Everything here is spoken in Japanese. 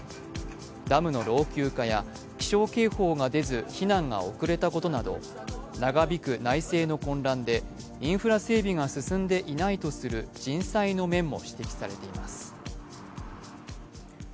ダムの老朽化や、気象警報が出ず避難が遅れたことなど長引く内政の混乱でインフラ整備が進んでいないとする人災の面も指摘されています。